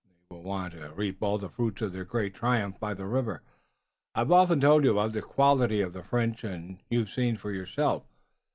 They will want to reap all the fruits of their great triumph by the river. I've often told you about the quality of the French and you've seen for yourself.